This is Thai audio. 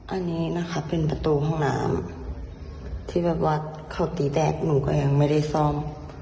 อันนี้นะคะเป็นประตูห้องน้ำที่แบบว่าเขาตีแตกหนูก็ยังไม่ได้ซ่อม